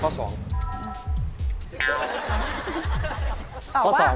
เออเอาลองเขียนไปดู